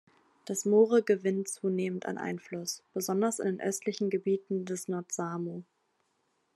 Das Moore gewinnt zunehmend an Einfluss, besonders in den östlichen Gebieten des Nord-Samo.